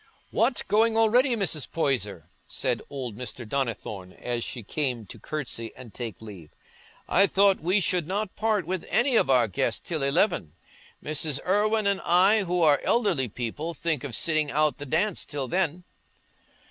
"What! Going already, Mrs. Poyser?" said old Mr. Donnithorne, as she came to curtsy and take leave; "I thought we should not part with any of our guests till eleven. Mrs. Irwine and I, who are elderly people, think of sitting out the dance till then."